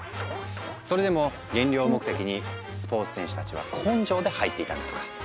それでも減量目的にスポーツ選手たちは根性で入っていたんだとか。